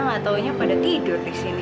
nggak tahunya pada tidur di sini